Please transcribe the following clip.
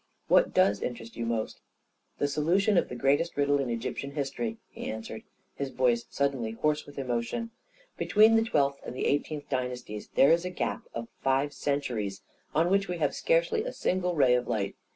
" What does interest you most ?"" The solution of the greatest riddle in Egyptian history," he answered, his voice suddenly hoarse with emotion. " Between the twelfth and the eight eenth dynasties there is a gap of five centuries on which we have scarcely a single ray of light.